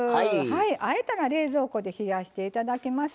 あえたら冷蔵庫で冷やしていただきます。